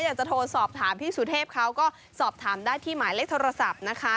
อยากจะโทรสอบถามพี่สุเทพเขาก็สอบถามได้ที่หมายเลขโทรศัพท์นะคะ